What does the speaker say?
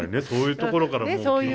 そういうところからもう。